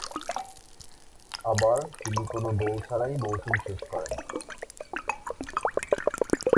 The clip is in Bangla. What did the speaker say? আবার, তিনি কোন গোল ছাড়াই মৌসুম শেষ করেন।